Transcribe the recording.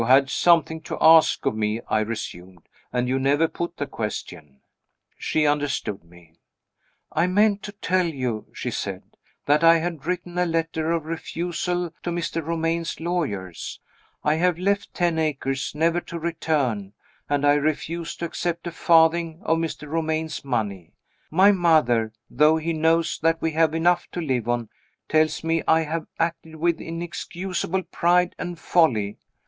"You had something to ask of me," I resumed, "and you never put the question." She understood me. "I meant to tell you," she said, "that I had written a letter of refusal to Mr. Romayne's lawyers. I have left Ten Acres, never to return; and I refuse to accept a farthing of Mr. Romayne's money. My mother though she knows that we have enough to live on tells me I have acted with inexcusable pride and folly.